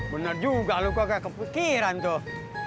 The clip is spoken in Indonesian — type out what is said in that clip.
bener juga lo kagak kepikiran tuh